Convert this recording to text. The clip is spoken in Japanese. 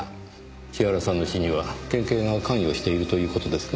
千原さんの死には県警が関与しているという事ですか？